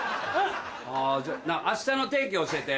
あじゃ明日の天気教えて。